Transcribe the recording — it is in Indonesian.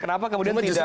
kenapa kemudian tidak